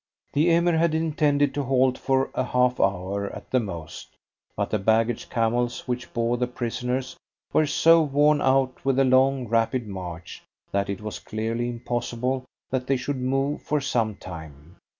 The Emirs had intended to halt for a half hour at the most, but the baggage camels which bore the prisoners were so worn out with the long, rapid march, that it was clearly impossible that they should move for some time.